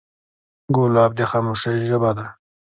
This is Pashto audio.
ګلاب د خاموشۍ ژبه ده.